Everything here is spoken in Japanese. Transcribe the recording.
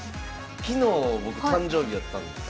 昨日僕誕生日やったんですよ。